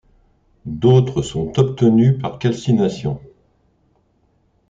D'autres sont obtenus par calcination.